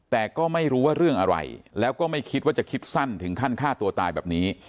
แต่ก็ไม่รู้ว่าเรื่องอะไรแล้วก็ไม่คิดว่าจะคิดสั้นถึงขั้นฆ่าตัวตายแบบนี้